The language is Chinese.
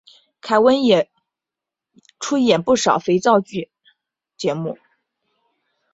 凯文也出演不少肥皂剧节目。